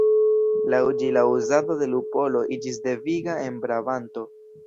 Laŭ ĝi la uzado de lupolo iĝis deviga en Brabanto.